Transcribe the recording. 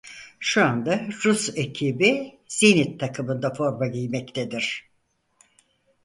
Şu anda Rus ekibi Zenit takımında forma giymektedir.